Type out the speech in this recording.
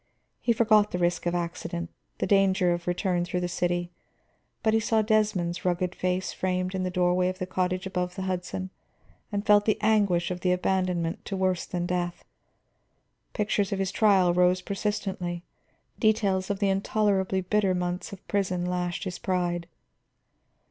He forgot the risk of accident, the danger of the return through the city, but he saw Desmond's rugged face framed in the doorway of the cottage above the Hudson and felt the anguish of the abandonment to worse than death. Pictures of his trial rose persistently, details of the intolerably bitter months of prison lashed his pride.